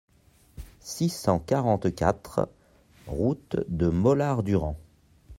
six cent quarante-quatre route de Mollardurand